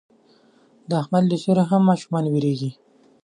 د احمد له سیوري نه هم ماشومان وېرېږي.